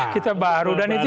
kita baru dan itu